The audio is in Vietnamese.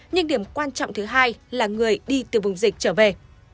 nhưng điểm quan trọng thứ hai là người đi từ vùng dịch trở về